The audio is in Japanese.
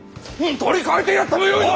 取り替えてやってもよいぞ！